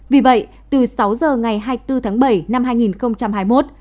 vì vậy từ sáu giờ ngày hai mươi bốn tháng bảy năm hai nghìn hai mươi một